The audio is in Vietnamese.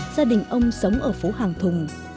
gia đình ông sống ở phố hàng thùng